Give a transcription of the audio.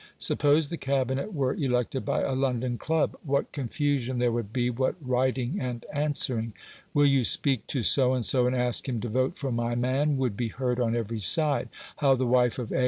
Suppose the Cabinet were elected by a London club, what confusion there would be, what writing and answering! "Will you speak to So and So, and ask him to vote for my man?" would be heard on every side. How the wife of A.